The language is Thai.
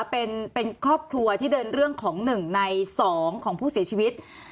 เป็นครอบครัวที่เดินเรื่องของ๑ใน๒ของผู้เสียชีวิต